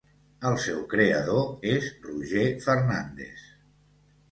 El seu creador és Roger Fernández.